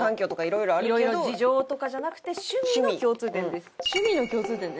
色々事情とかじゃなくて趣味の共通点です。